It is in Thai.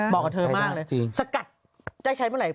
กับเธอมากเลยสกัดได้ใช้เมื่อไหร่